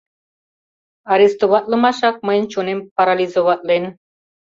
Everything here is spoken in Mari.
Арестоватлымашак мыйын чонем парализоватлен.